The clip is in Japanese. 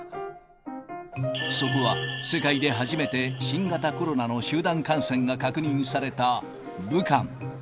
そこは世界で初めて新型コロナの集団感染が確認された武漢。